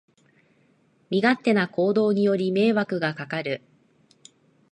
身勝手な行動により迷惑がかかる